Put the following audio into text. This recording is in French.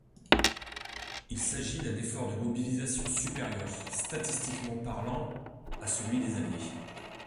Il s'agit d'un effort de mobilisation supérieur, statistiquement parlant, à celui des Alliés.